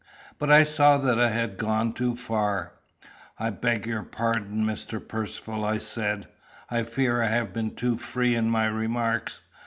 But I saw that I had gone too far. "I beg your pardon, Mr. Percivale," I said. "I fear I have been too free in my remarks.